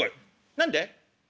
「何で？」。